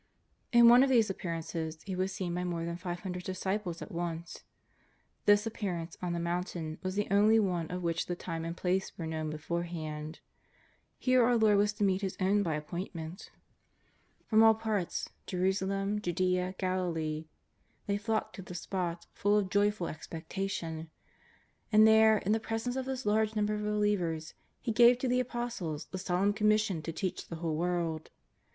In one of these Appearances He was seen by more than five hundred disciples at once. This Appearance on the mountain was the only one of which the time and place were known beforehand. Here our Lord was to meet His own by appointment. From all parts 396 JESUS OF NAZARETH. — Jerusalem, Jiidea, Galilee — they flocked to the spot, full of joyful expectation. And there, in presence of this large number of believers, He gave to the Apos tles the solemn commission to teach the whole world.